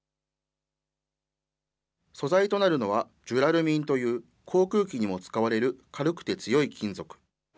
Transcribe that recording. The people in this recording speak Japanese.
素材となるのはジュラルミンという、航空機にも使われる軽くて強い金属。